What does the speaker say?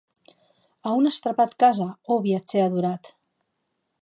A on as trapat casa, ò viatgèr adorat?